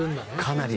かなり。